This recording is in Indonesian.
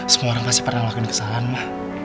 semua orang pasti pernah lakukan kesalahan ma